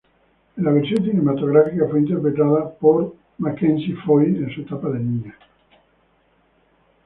En la versión cinematográfica fue interpretada por Mackenzie Foy en su etapa de niña.